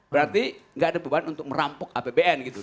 berarti nggak ada beban untuk merampok apbn gitu